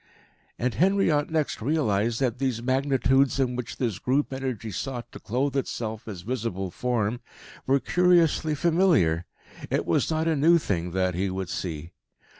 And Henriot next realised that these Magnitudes in which this group energy sought to clothe itself as visible form, were curiously familiar. It was not a new thing that he would see.